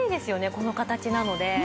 この形なので。